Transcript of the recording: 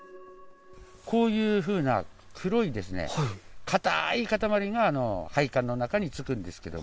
こういうふうな黒い、硬い塊が配管の中につくんですけども。